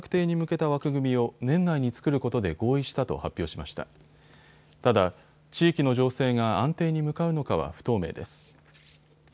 ただ地域の情勢が安定に向かうのかは不透明です。